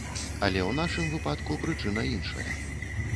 Але ў нашым выпадку прычына іншая.